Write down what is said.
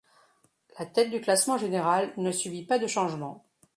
La tête du classement général ne subit pas de changement.